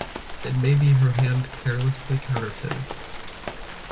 It may be her hand carelessly counterfeited.